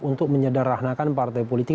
untuk menyederhanakan partai politik